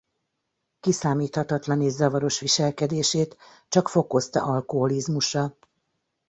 Kiszámíthatatlan és zavaros viselkedését csak fokozta alkoholizmusa.